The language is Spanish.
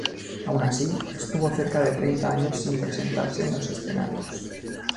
Aun así, estuvo cerca de treinta años sin presentarse en los escenarios.